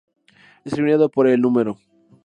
Es eliminado por el No.